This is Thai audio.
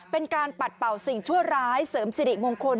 เป็นการปัดเป่าสิ่งชั่วร้ายเสริมสิริมงคล